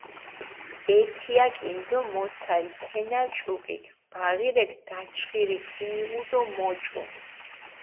ეთიაკინ დო მოცალჷ თენა ჭუკიქ, ბაღირექ დაჩხირი ქჷმიღუ დო მოჭუ.